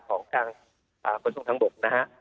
ของช่างคุณส่งทั้งบน